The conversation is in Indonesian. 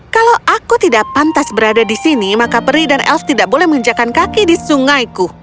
kalau aku tidak pantas berada di sini maka peri dan elf tidak boleh menginjakan kaki di sungaiku